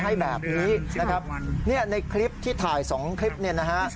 ให้แบบนี้นะครับเนี่ยในคลิปที่ถ่ายสองคลิปเนี่ยนะฮะ